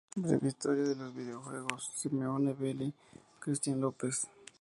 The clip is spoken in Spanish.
Breve historia de los videojuegos: Simone Belli, Cristian López.